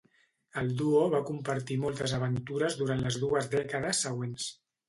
El duo va compartir moltes aventures durant les dues dècades següents.